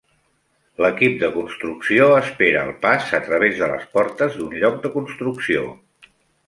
L'equip de construcció espera el pas a través de les portes d'un lloc de construcció.